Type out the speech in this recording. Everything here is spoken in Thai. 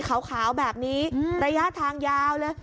ขาวแบบนี้ระยะทางยาวเลย